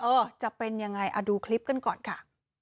จะเป็นยังไงดูคลิปกันก่อนค่ะ